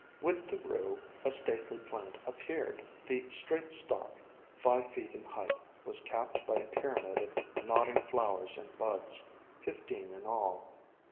With the Rue a stately plant appeared. The straight stalk, five feet in height, was capped by a pyramid of nodding flowers and buds, fifteen in all.